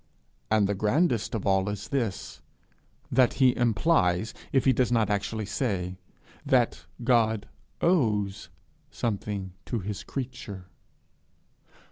And the grandest of all is this, that he implies, if he does not actually say, that God owes something to his creature.